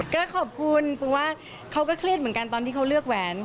ก็ขอบคุณเพราะว่าเขาก็เครียดเหมือนกันตอนที่เขาเลือกแหวน